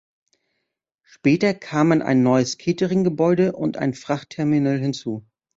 Später kamen ein neues Catering-Gebäude und ein Frachtterminal hinzu.